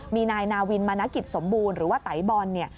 มีนายนาวินมณกิจสมบูรณ์หรือว่าไตบอลเนี่ย